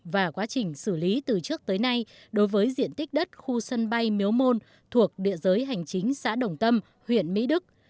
và quá trình xử lý từ trước tới nay đối với diện tích đất khu sân bay miếu môn thuộc địa giới hành chính xã đồng tâm huyện mỹ đức